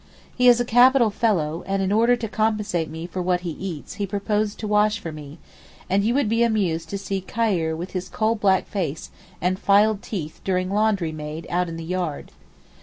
He is a capital fellow, and in order to compensate me for what he eats he proposed to wash for me, and you would be amused to see Khayr with his coal black face and filed teeth doing laundry maid out in the yard.